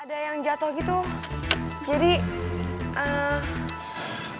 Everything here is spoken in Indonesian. ada yang jatoh gitu jadi ee